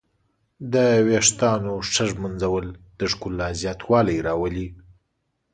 د ویښتانو ښه ږمنځول د ښکلا زیاتوالی راولي.